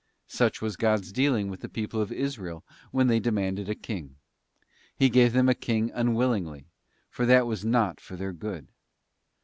Such was God's dealing with the people of Israel when they demanded a king. He gave them a king unwillingly, for that was not for their good.